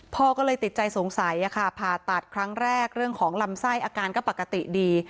พ่อก็เลยติดใจสงสัยผ่าตัดครั้งแรกเรื่องของลำไส้อาการก็ปกติดี